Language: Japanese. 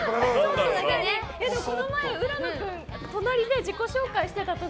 この前、浦野君隣で自己紹介してた時